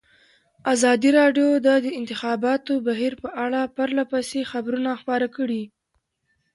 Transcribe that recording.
ازادي راډیو د د انتخاباتو بهیر په اړه پرله پسې خبرونه خپاره کړي.